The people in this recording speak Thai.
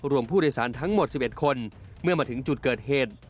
รวมผู้โดยสารทั้งหมด๑๑คนเมื่อมาถึงจุดเกิดเหตุ